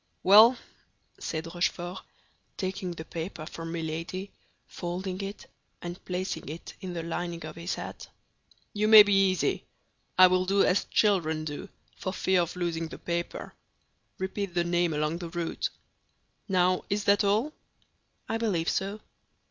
"Well," said Rochefort, taking the paper from Milady, folding it, and placing it in the lining of his hat, "you may be easy. I will do as children do, for fear of losing the paper—repeat the name along the route. Now, is that all?" "I believe so."